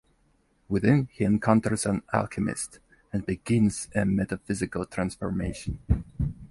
Within he encounters an Alchemist, and begins a metaphysical transformation.